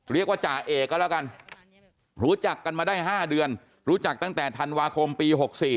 จ่าเอกก็แล้วกันรู้จักกันมาได้๕เดือนรู้จักตั้งแต่ธันวาคมปี๖๔